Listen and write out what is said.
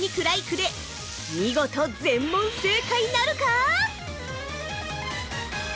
ライクで、見事、全問正解なるか！？